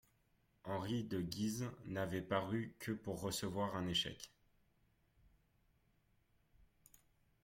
Henri de Guise n'avait paru que pour recevoir un échec.